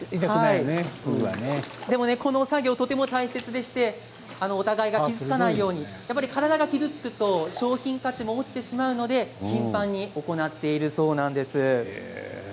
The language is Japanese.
この作業、とても大切でしてお互いが傷つかないようにやっぱり体が傷つくと商品価値も落ちてしまうので頻繁に行っているそうです。